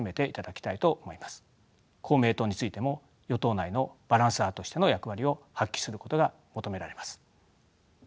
公明党についても与党内のバランサーとしての役割を発揮することが求められます。